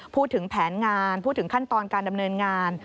พูดถึงแผนงานพูดถึงขั้นตอนการดำเนินงาน